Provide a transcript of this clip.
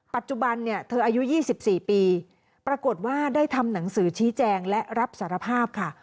ปัจจุบันเนี่ยเธออายุ๒๔ปีปรากฏว่าได้ทำหนังสือชี้แจงและรับสารภาพค่ะ